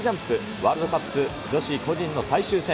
ワールドカップ女子個人の最終戦。